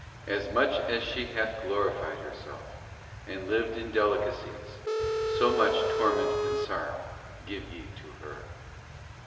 'As much as she hath glorified herself, and lived in deli cacies, so much torment and sorrow give ye to her."